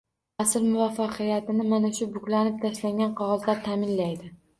Asar muvaffaqiyatini mana shu buklanib tashlangan qog‘ozlar ta’minlaydi.